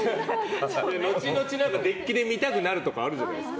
後々、デッキで見たくなるとかあるじゃないですか。